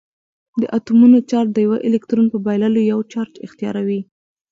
د اتومونو چارج د یوه الکترون په بایللو یو چارج اختیاروي.